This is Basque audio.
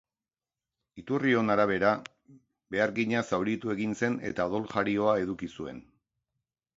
Iturrion arabera, behargina zauritu egin zen eta odoljarioa eduki zuen.